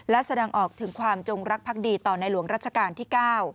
และแสดงออกถึงความจงรักภักดีต่อในหลวงรัชกาลที่๙